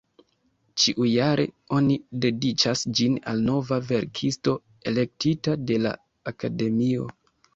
Ĉiujare oni dediĉas ĝin al nova verkisto, elektita de la Akademio.